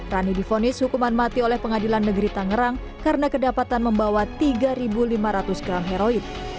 rani difonis hukuman mati oleh pengadilan negeri tangerang karena kedapatan membawa tiga lima ratus gram heroid